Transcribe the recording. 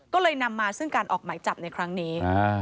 ก็เลยนำมาซึ่งการออกหมายจับในครั้งนี้